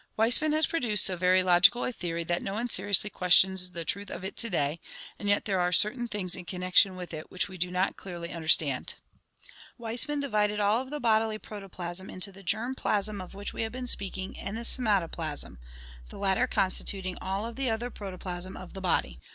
Weismann has produced so very logical a theory that no one seriously questions the truth of it to day, and yet there are certain things in connection with it which we do not clearly understand. Weismann divided all of the bodily protoplasm into the germ plasm of which we have been speaking and the somatoplasm (Gr. c&fia, body, and irXdafia, anything formed or moulded), the latter constituting all of the other protoplasm of the body.